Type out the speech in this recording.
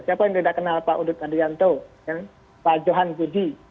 siapa yang tidak kenal pak udut adrianto pak johan budi